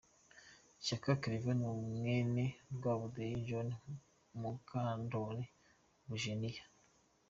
Shyaka Claver ni mwene Rwabudeyi John na Mukandori Bujeniya.